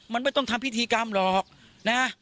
มันไม่ต้องทำพิธีกรรมหรอกนะ